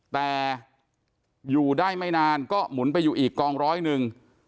แต่อยู่ได้ไม่นานก็หมุนไปอยู่อีกกองร้อยหนึ่ง